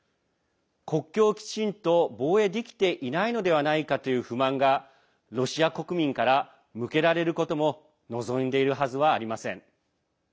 国境をきちんと防衛できていないのではないかという不満がロシア国民から向けられることも望んでいるはずはありません。